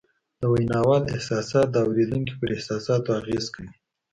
د ویناوال احساسات د اورېدونکي پر احساساتو اغېز کوي